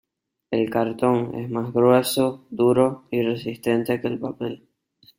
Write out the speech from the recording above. El cartón es más grueso, duro y resistente que el papel.